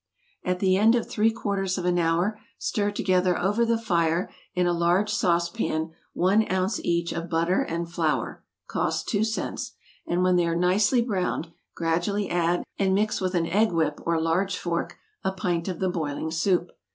At the end of three quarters of an hour stir together over the fire in a large sauce pan one ounce each of butter and flour, (cost two cents,) and when they are nicely browned, gradually add, and mix with an egg whip or large fork, a pint of the boiling soup.